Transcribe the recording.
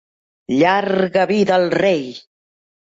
Llarga vida al rei!